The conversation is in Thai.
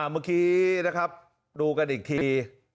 เมื่อกี้นะครับดูกันอีกที